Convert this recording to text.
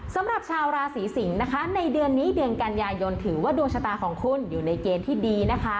สำหรับชาวราศีสิงศ์นะคะในเดือนนี้เดือนกันยายนถือว่าดวงชะตาของคุณอยู่ในเกณฑ์ที่ดีนะคะ